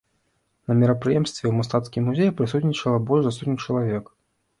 На мерапрыемстве ў мастацкім музеі прысутнічала больш за сотню чалавек.